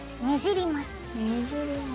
ねじります。